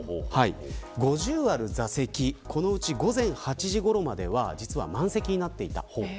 ５０ある座席、このうち午前８時ごろまでは実は満席になっていた。